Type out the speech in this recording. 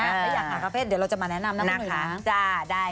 อยากหาคาเฟ่เดี๋ยวเราจะมาแนะนำนะคุณหนุ่ย